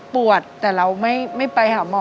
ปวดแต่เราไม่ไปหาหมอ